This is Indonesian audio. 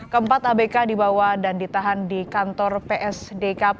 keempat abk dibawa dan ditahan di kantor psdkp